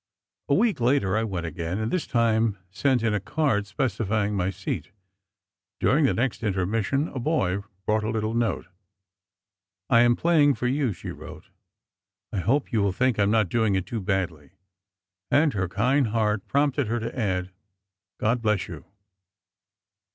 A week later, I went again, and this time sent in a card, specifying my seat. During the next intermission, a boy brought a little note. "I am playing for you," she wrote. "I hope you will think I am not doing it too badly." And her kind heart prompted her to add: "God bless you!"